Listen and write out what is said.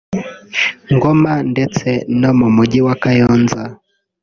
Ngoma ndetse no mu mujyi wa Kayonza